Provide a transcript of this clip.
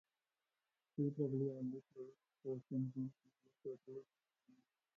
She probably only plays sports in gym anyway–totally normal.